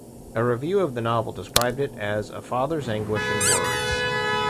A review of the novel described it as "a father's anguish in words".